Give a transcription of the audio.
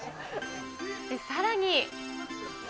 さらに。